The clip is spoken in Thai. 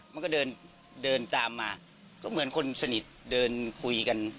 มันก็เดินเดินตามมาก็เหมือนคนสนิทเดินคุยกัน